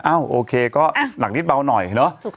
โอเคก็หนักนิดเบาหน่อยเนอะ